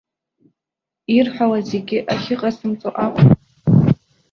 Ирҳәауа зегьы ахьыҟасымҵо акәхап.